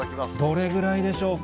どれぐらいでしょうか？